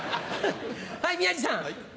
はい宮治さん。